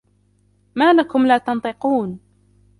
مَا لَكُمْ لَا تَنْطِقُونَ